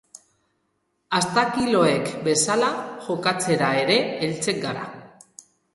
Astakiloek bezala jokatzera ere heltzen gara.